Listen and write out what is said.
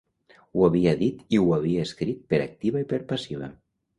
Ho havia dit i ho havia escrit per activa i per passiva.